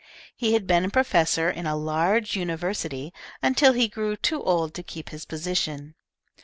He had been a professor in a large university until he grew too old to keep his position.